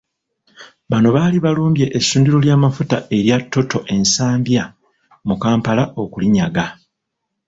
Bano baali balumbye essundiro ly'amafuta elya Total e Nsambya mu Kampala okulinyaga.